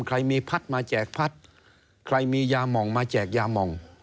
ใครมีพัดมาแจกพัดใครมียามองมาแจกยามอง